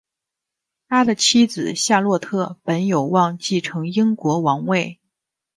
他的妻子夏洛特本有望继承英国王位。